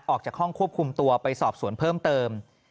ออกจากห้องควบคุมตัวไปสอบสวนเพิ่มเติม